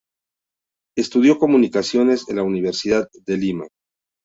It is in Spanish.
Estudio Comunicaciones en la Universidad de Lima.